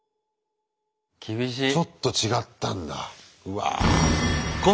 ちょっと違ったんだうわ。